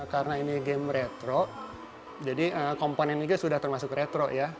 karena ini game retro jadi komponennya sudah termasuk retro ya